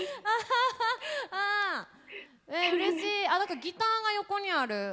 何かギターが横にある。